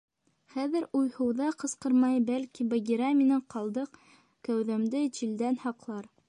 Хәҙер уйһыуҙа ҡысҡырмай, бәлки, Багира минең ҡалдыҡ кәүҙәмде Чилдән һаҡлар.